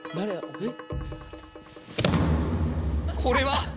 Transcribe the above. えっ？